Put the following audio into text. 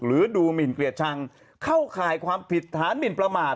หรือดูหมินเกลียดชังเข้าข่ายความผิดฐานหมินประมาท